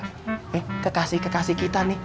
eh kekasih kekasih kita nih